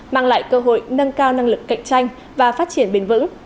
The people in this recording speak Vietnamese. mang lại cơ hội nâng cao năng lực cạnh tranh và phát triển bền vững